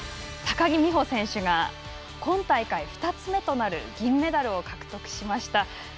高木美帆選手が今大会２つ目となる銀メダルを獲得しました。